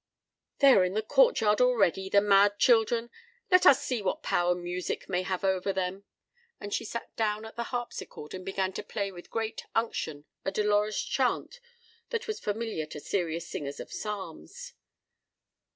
"They are in the court yard already, the mad children! Let us see what power music may have over them." And she sat down at the harpsichord and began to play with great unction a dolorous chant that was familiar to serious singers of psalms.